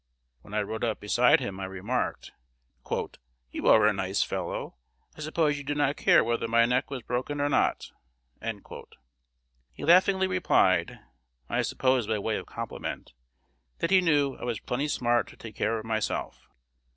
When I rode up beside him, I remarked, "You are a nice fellow! I suppose you did not care whether my neck was broken or not." He laughingly replied (I suppose by way of compliment) that he knew I was plenty smart to take care of myself.